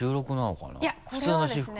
普通の私服？